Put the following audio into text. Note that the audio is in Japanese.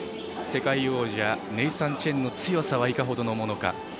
世界王者ネイサン・チェンの強さはいかほどのものか。